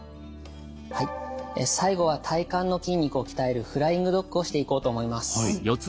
最後は体幹の筋肉を鍛えるフライングドッグをしていこうと思います。